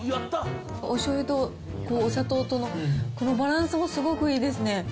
おしょうゆとお砂糖との、このバランスもすごくいいですね。